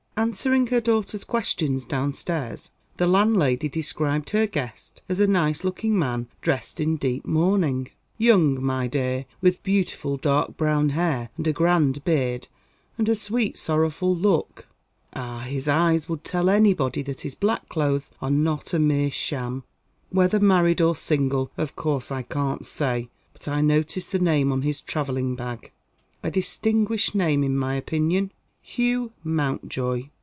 Answering her daughter's questions downstairs, the landlady described her guest as a nice looking man dressed in deep mourning. "Young, my dear, with beautiful dark brown hair, and a grand beard, and a sweet sorrowful look. Ah, his eyes would tell anybody that his black clothes are not a mere sham. Whether married or single, of course I can't say. But I noticed the name on his travelling bag. A distinguished name in my opinion Hugh Mountjoy.